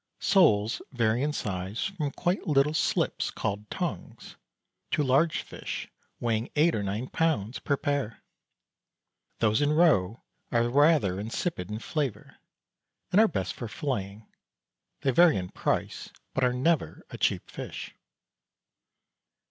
Soles vary in size from quite little slips, called "tongues," to large fish weighing eight or nine pounds per pair. Those in roe are rather insipid in flavour, and are best for filleting. They vary in price, but are never a cheap fish.